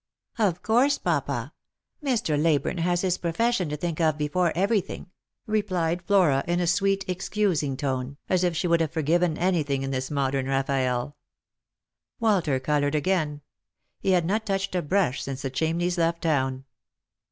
" Of course, papa. Mr. Leyburne has his profession to think Lost for Love. 127 of before everything," replied Flora in a sweet excusing tone, as if she could have forgiven anything in this modern Raffaelle. Walter coloured again. He had not touched a brush since the Chamneys left town.